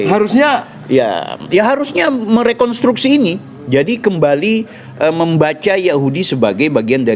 harusnya ya ya harusnya merekonstruksi ini jadi kembali membaca yahudi sebagai bagian dari